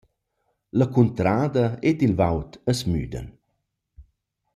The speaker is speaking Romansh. «La cuntrada ed il god as müdan.